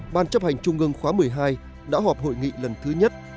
ban chấp hành trung ương khóa một mươi hai đã họp hội nghị lần thứ nhất